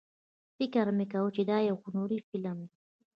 فکر مې کاوه چې دا یو هنري فلم دی.